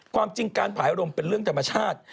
ความจริงการผายรมเป็นเรื่องธรรมชาติ